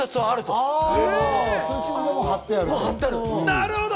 なるほど。